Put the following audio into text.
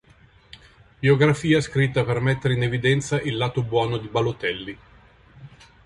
Biografia scritta per mettere in evidenza il "lato buono" di Balotelli.